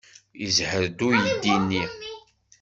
Yezher-d uydi-nni.